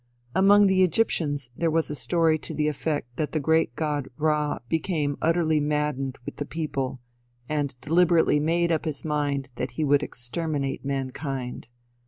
Among the Egyptians there was a story to the effect that the great god Ra became utterly maddened with the people, and deliberately made up his mind that he would exterminate mankind.